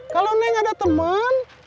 kalau neng ada teman